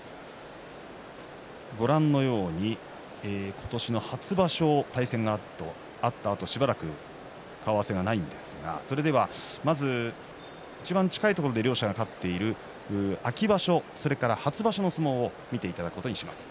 今年の初場所対戦があったあとしばらく顔合わせがないんですがいちばん近いところで両者が勝っている秋場所それから初場所の相撲を見ていただくことにします。